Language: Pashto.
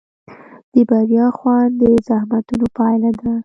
د بریا خوند د زحمتونو پایله ده.